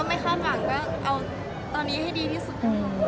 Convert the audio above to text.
ไม่คาดหวังก็เอาตอนนี้ให้ดีที่สุด